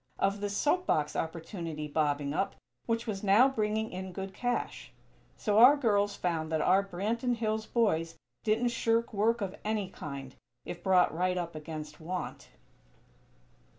Of this soap box opportunity bobbing up, which was now bringing in good cash. So our girls found that our Branton Hills boys didn't shirk work of any kind, if brought right up against want.